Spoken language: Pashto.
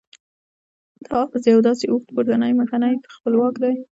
دا آواز یو داسې اوږد پورتنی مخنی خپلواک دی